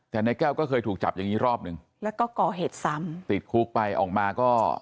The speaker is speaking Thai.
แต่นายแก้วก็เคยถูกจับอย่างงี้รอบหนึ่งแล้วก็ก่อเหตุซ้ำติดคุกไปออกมาก็